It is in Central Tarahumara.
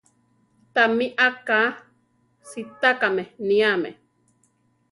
Tamí aka sitákame níame.